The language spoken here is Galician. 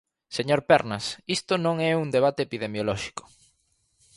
Señor Pernas, isto non é un debate epidemiolóxico.